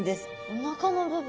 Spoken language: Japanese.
おなかの部分。